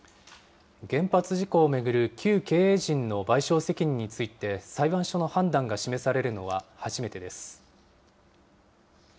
原発事故を巡る旧経営陣の賠償責任について裁判所の判断が示されるのは初めてです。